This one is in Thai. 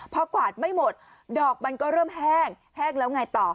พอกวาดไม่หมดดอกมันก็เริ่มแห้งแห้งแล้วไงต่อ